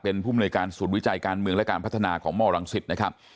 เป็นผู้บริการสูตรวิจัยการเมืองและการพัฒนาของม่อรังสิทธิ์นะครับ